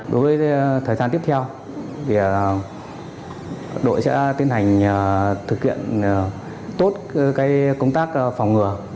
đối với thời gian tiếp theo thì đội sẽ tiến hành thực hiện tốt công tác phòng ngừa